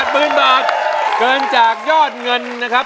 หมื่นบาทเกินจากยอดเงินนะครับ